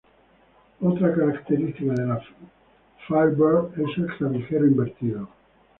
Otra característica de la Firebird es el clavijero invertido.